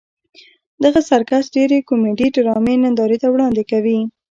دغه سرکس ډېرې کومیډي ډرامې نندارې ته وړاندې کوي.